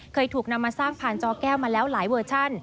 เคยถูกนำมาสร้างผ่านจอแก้วมาแล้วหลายเวอร์ชัน